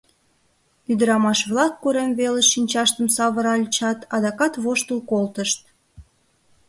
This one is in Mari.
Ӱдырамаш-влак корем велыш шинчаштым савыральычат, адакат воштыл колтышт.